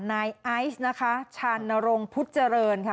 นายไอซ์นะคะชานรงค์พุทธเจริญค่ะ